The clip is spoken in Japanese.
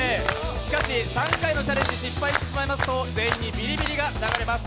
しかし３回のチャレンジ失敗してしまいますと全員にビリビリが流れます。